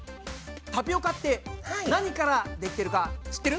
タピオカって何からできてるか知ってる？